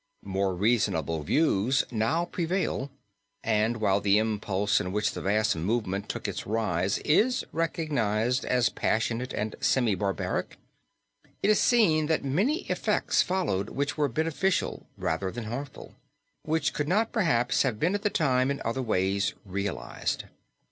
More reasonable views now prevail; and while the impulse in which the vast movement took its rise is recognized as passionate and semi barbaric, it is seen that many effects followed which were beneficial rather than harmful, which could not perhaps have been at the time in other ways realized.